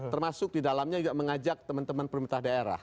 termasuk di dalamnya juga mengajak teman teman pemerintah daerah